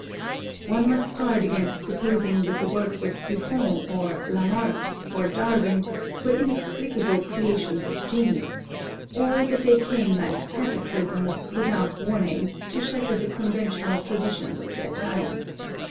One must guard against supposing that the works of Buffon, or Lamarck, or Darwin were inexplicable crea tions of genius, or that they came like cataclysms, without warning, to shatter the conventional traditions of their time.